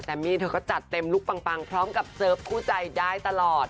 แต่มี่เธอก็จัดเต็มลุคปังพร้อมกับเซิร์ฟคู่ใจได้ตลอด